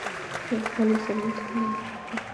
هغه له سرونو څخه منارونه جوړ کړل.